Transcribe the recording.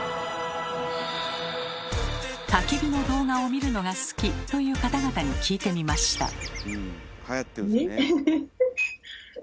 たき火の動画を見るのが好きという方々に聞いてみました。